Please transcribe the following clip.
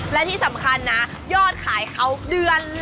และที่สำคัญนะยอดขายเขาเดือนละ